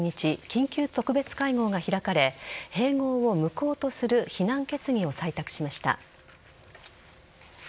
緊急特別会合が開かれ併合を無効とする非難決議を採択しました。